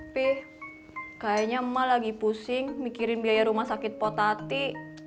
pih kayaknya emak lagi pusing mikirin biaya rumah sakit potati